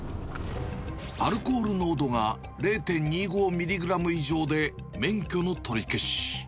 アルコール濃度が０．２５ミリグラム以上で、免許の取り消し。